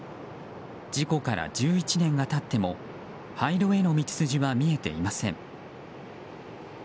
事故から１１年が経っても廃炉への道筋は見えていません。